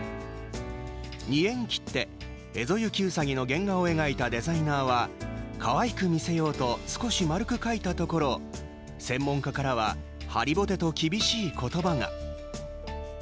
２円切手、エゾユキウサギの原画を描いたデザイナーはかわいく見せようと少し丸く描いたところ専門家からは張りぼてと厳しい言葉が。